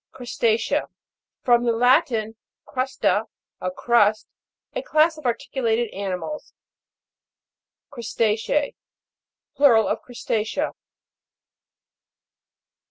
CRUSTA'CEA. From the Latin, crvsta, a crust. A class of articulated animals. CRUSTA'CEA. Plural of Crusta'cea.